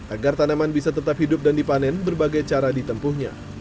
agar tanaman bisa tetap hidup dan dipanen berbagai cara ditempuhnya